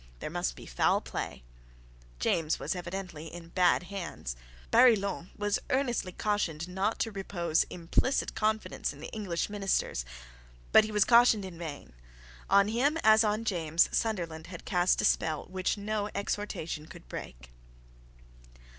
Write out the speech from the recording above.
There must be foul play. James was evidently in bad hands. Barillon was earnestly cautioned not to repose implicit confidence in the English ministers: but he was cautioned in vain. On him, as on James, Sunderland had cast a spell which no exhortation could break.